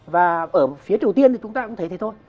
và ở phía triều tiên thì chúng ta cũng thấy thế thôi